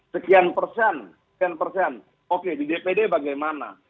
sekian persen sekian persen oke di dpd bagaimana